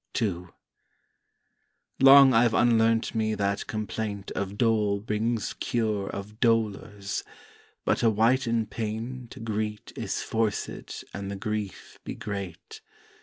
II Long I've unlearnt me that complaint of dole Brings cure of dolours; but a wight in pain To greet is forcèd an the grief be great.